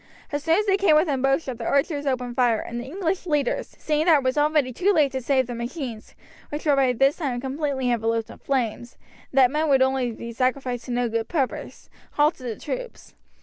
As soon as they came within bowshot range the archers opened fire, and the English leaders, seeing that it was already too late to save the machines, which were by this time completely enveloped in flames, and that men would only be sacrificed to no good purpose, halted the troops.